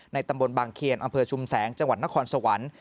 ตำบลบางเคียนอำเภอชุมแสงจังหวัดนครสวรรค์